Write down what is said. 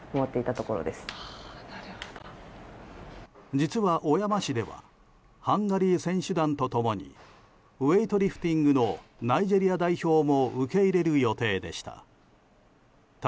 実は小山市ではハンガリー選手団と共にウエイトリフティングのナイジェリア代表も受け入れる予定でした。